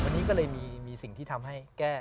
วันนี้ก็เลยมีสิ่งที่ทำให้แก้